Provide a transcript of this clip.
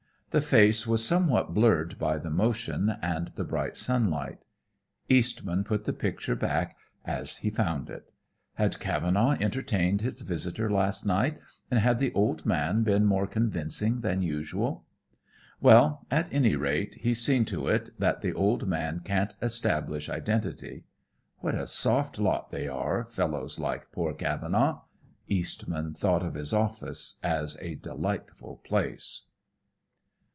The face was somewhat blurred by the motion and the bright sunlight. Eastman put the picture back, as he found it. Had Cavenaugh entertained his visitor last night, and had the old man been more convincing than usual? "Well, at any rate, he's seen to it that the old man can't establish identity. What a soft lot they are, fellows like poor Cavenaugh!" Eastman thought of his office as a delightful place.